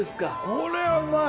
これはうまい！